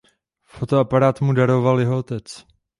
Fotoaparát mu daroval jeho otec.